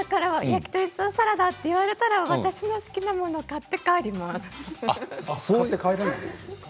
焼き鳥とサラダと言われたら私の好きなものを買って帰ります。